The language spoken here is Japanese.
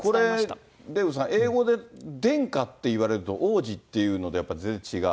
これ、デーブさん、英語で殿下って言われるのと王子っていうのとは、全然違う？